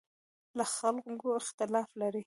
له خلکو اختلاف لري.